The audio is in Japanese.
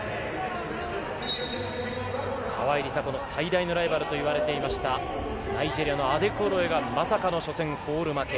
川井梨紗子の最大のライバルと言われていましたナイジェリアのアデクオロエがまさかの初戦フォール負け。